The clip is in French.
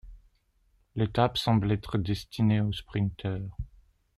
L'étape semble être destinée aux sprinteurs.